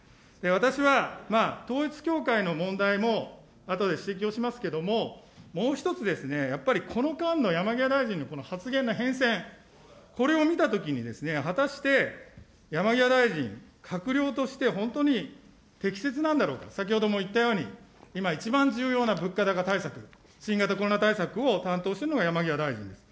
私は統一教会の問題も、あとで指摘をしますけれども、もう１つ、やっぱりこの間の山際大臣の発言の変遷、これを見たときに果たして山際大臣、閣僚として本当に適切なんだろうか、先ほども言ったように、今一番重要な物価高対策、新型コロナ対策を担当しているのが山際大臣です。